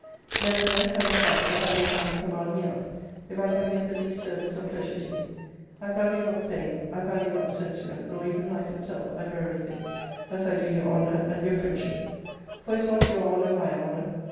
] [Nevertheless I must add, that I would have you] command me up, if I can be of the least service or pleasure to you.* I value not fame; I value not censure; nor even life itself, I verily think, as I do your honour, and your friendship For is not your honour my honour?